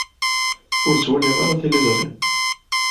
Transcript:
Ur ttwaliɣ ara tiliẓri.